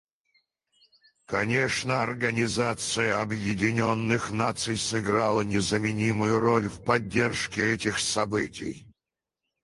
Конечно, Организация Объединенных Наций сыграла незаменимую роль в поддержке этих событий.